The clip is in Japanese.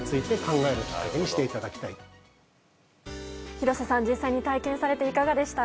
廣瀬さん、実際に体験されていかがでした？